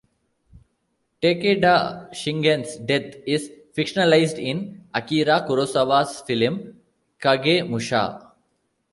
Takeda Shingen's death is fictionalized in Akira Kurosawa's film "Kagemusha".